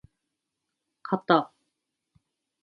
かた